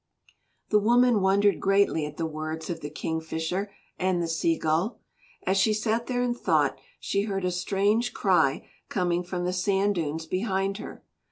The woman wondered greatly at the words of the Kingfisher and the Sea Gull. As she sat there in thought she heard a strange cry coming from the sand dunes behind her.